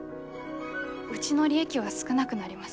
うちの利益は少なくなります。